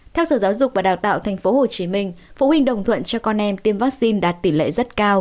theo sở giáo dục và đào tạo tp hcm phụ huynh đồng thuận cho con em tiêm vaccine đạt tỷ lệ rất cao